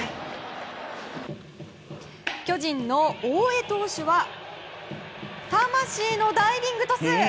巨人の大江投手は魂のダイビングトス！